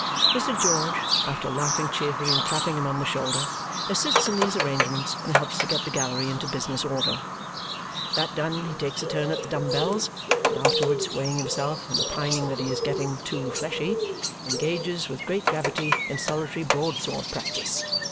Mr. George, after laughing cheerfully and clapping him on the shoulder, assists in these arrangements and helps to get the gallery into business order. That done, he takes a turn at the dumb bells, and afterwards weighing himself and opining that he is getting "too fleshy," engages with great gravity in solitary broadsword practice.